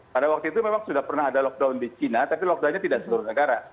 pada waktu itu memang sudah pernah ada lockdown di china tapi lockdownnya tidak seluruh negara